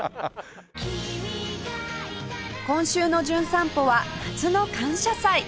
今週の『じゅん散歩』は夏の感謝祭